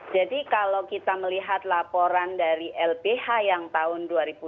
jadi kalau kita melihat laporan dari lbh yang tahun dua ribu delapan belas